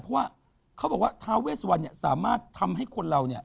เพราะว่าทาเวสวรสามารถทำให้คนเรา